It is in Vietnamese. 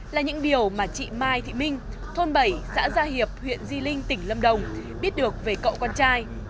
là những điều mà chị mai thị minh thôn bảy xã gia hiệp huyện di linh tỉnh lâm đồng biết được về cậu con trai